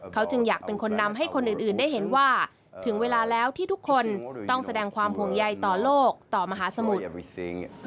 เขาจึงอยากเป็นคนนำให้คนอื่นได้เห็นว่าถึงเวลาแล้วที่ทุกคนต้องแสดงความห่วงใยต่อโลกต่อมหาสมุทร